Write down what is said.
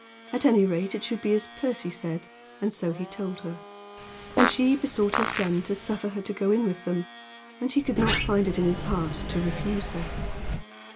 At any rate it should be as Percy said, and so he told her. And she besought her son to suffer her to go in with them, and he could not find it in his heart to refuse her.